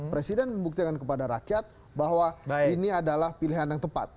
presiden membuktikan kepada rakyat bahwa ini adalah pilihan yang tepat